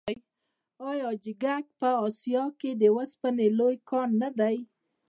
آیا حاجي ګک په اسیا کې د وسپنې لوی کان دی؟